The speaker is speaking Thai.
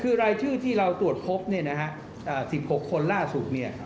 คือรายชื่อที่เราตรวจพบเนี่ยนะฮะ๑๖คนล่าสุดเนี่ย